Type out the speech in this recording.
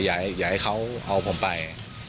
อยากให้เขาเอาผมไป